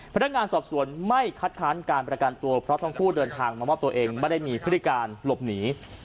พนักงานสอบสวนไม่คัดค้านการประกันตัวเพราะทั้งคู่เดินทางมามอบตัวเองไม่ได้มีพฤติการหลบหนี